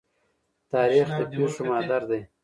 تاریخ د پېښو مادر دی.